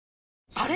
あれ？